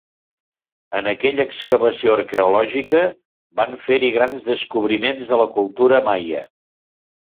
En aquella excavació arqueològica van fer-hi grans descobriments de la cultura maia.